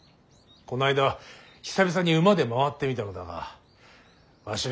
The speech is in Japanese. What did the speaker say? この間久々に馬で回ってみたのだがわし